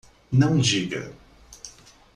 Não diga